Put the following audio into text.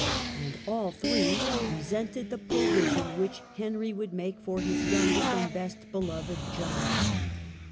And all three resented the provision which Henry would make for his youngest and best beloved, John.